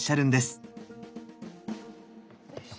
よいしょ。